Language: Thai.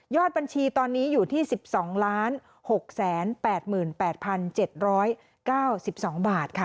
ยอดบัญชีตอนนี้อยู่ที่สิบสองล้านหกแสนแปดหมื่นแปดพันเจ็ดร้อยเก้าสิบสองบาทค่ะ